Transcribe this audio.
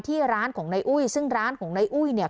ที่ร้านของในอุ้ยซึ่งร้านของในอุ้ย